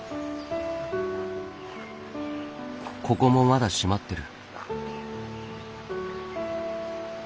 ここもまだ閉まってる。